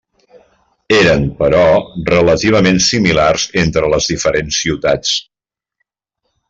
Eren, però, relativament similars entre les diferents ciutats.